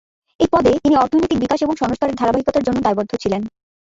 এই পদে তিনি অর্থনৈতিক বিকাশ এবং সংস্কারের ধারাবাহিকতার জন্য দায়বদ্ধ ছিলেন।